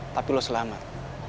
tapi lo selamat